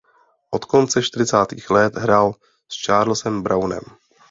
Od konce čtyřicátých let hrál s Charlesem Brownem.